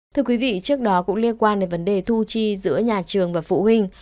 thưa quý vị trước đó cũng liên quan đến vấn đề thu chi giữa nhà trường và phụ huynh